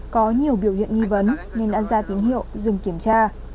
có nhiều biểu hiện nghi vấn nên đã ra tín hiệu dừng kiểm tra